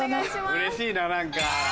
うれしいな何か。